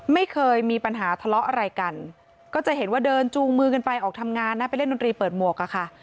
ไม่เคยมีปัญหาทะเลาะอะไรกันก็จะเห็นว่าเดินจูงมือกันไปออกทำงานนะไปเล่นดนตรีเปิดหมวกอะค่ะ